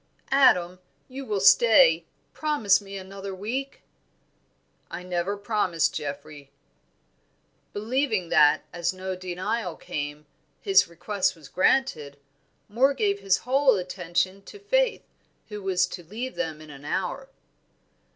"Adam, you will stay? Promise me another week?" "I never promise, Geoffrey." Believing that, as no denial came, his request was granted, Moor gave his whole attention to Faith, who was to leave them in an hour.